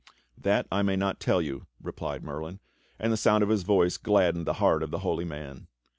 ^" "That I may not tell you," replied Merlin, and the sound of his voice gladdened the heart of the Holy Man.